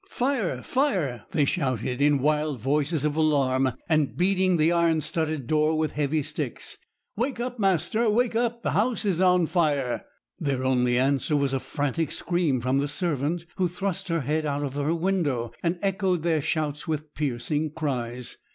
'Fire! fire!' they shouted, in wild voices of alarm, and beating the iron studded door with heavy sticks. 'Wake up, master! wake up! the house is on fire!' Their only answer was a frantic scream from the servant, who thrust her head out of her window, and echoed their shouts with piercing cries.